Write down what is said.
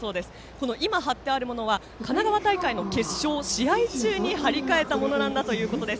この今、張ってあるものは神奈川大会決勝試合中に張り替えたものだということです。